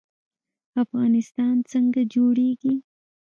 افغانستان څنګه جوړیږي؟